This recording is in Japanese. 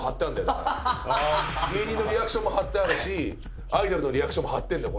芸人のリアクションも張ってあるしアイドルのリアクションも張ってるんだよ